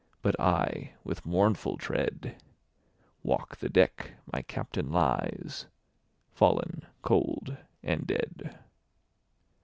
But I, with mournful tread, Walk the deck my Captain lies, Fallen cold and dead.